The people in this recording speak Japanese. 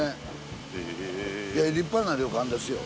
立派な旅館ですよ。